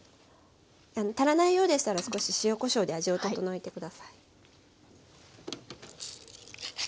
あの足らないようでしたら少し塩こしょうで味を調えて下さい。